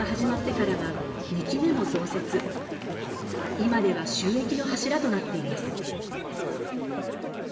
今では収益の柱となっています。